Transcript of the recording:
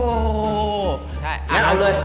ร้านเลย